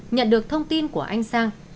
nhận được thông tin của anh sang